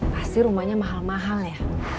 pasti rumahnya mahal mahal ya